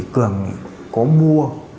cường có mua